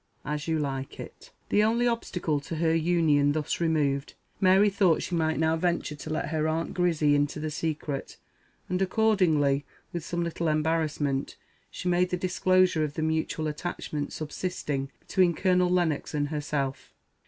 "_ As You Like it. THE only obstacle to her union thus removed, Mary thought she might now venture to let her Aunt Grizzy into the secret; and accordingly, with some little embarrassment, she made the disclosure of the mutual attachment subsisting between Colonel Lennox and herself.